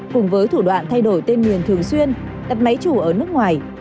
cùng với thủ đoạn thay đổi tên miền thường xuyên đặt máy chủ ở nước ngoài